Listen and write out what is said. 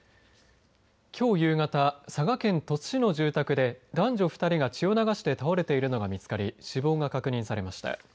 きょう夕方佐賀県鳥栖市の住宅で男女２人が血を流して倒れているのが見つかり死亡が確認されました。